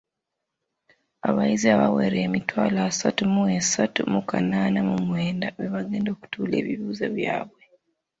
Abayizi abawera emitwalo asatu mu esatu mu kanaana mu mwenda be bagenda okutuula ebibuuzo byabwe.